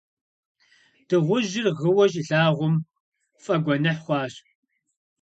Дыгъужьыр гъыуэ щилъагъум, фӏэгуэныхь хъуащ.